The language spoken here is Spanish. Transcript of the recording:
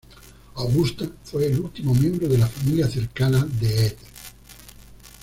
Augusta fue el último miembro de la familia cercana de Ed.